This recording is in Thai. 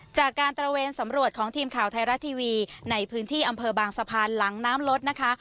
ตระเวนสำรวจของทีมข่าวไทยรัฐทีวีในพื้นที่อำเภอบางสะพานหลังน้ำลดนะคะ